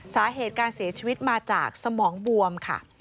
สาเหตุการเสียชีวิตมาจากสมองบวมค่ะ